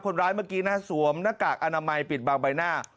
เมื่อกี้นะสวมหน้ากากอนามัยปิดบางใบหน้า